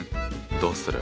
どうする？